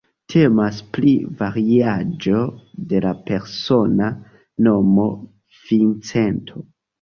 Temas pri variaĵo de la persona nomo "Vincento".